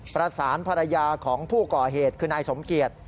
ประสานภรรยาของผู้ก่อเหตุคือนายสมเกียจ